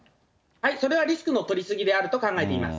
それはリスクの取りすぎであると考えています。